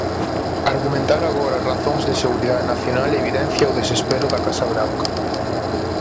Argumentar agora razóns de seguridade nacional evidencia o desespero da Casa Branca.